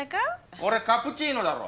これカプチーノだろ？